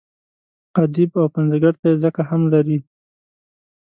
ادیب او پنځګر ته یې ځکه هم لري.